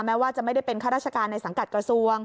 แม้ว่าจะไม่ได้เป็นข้าราชการในสังกัดกระทรวง